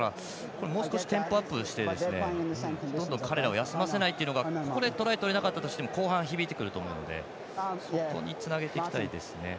もう少しテンポアップしてどんどん彼らを休ませないというのがトライとれなかったとしても後半、響いてくると思うのでそこにつなげていきたいですね。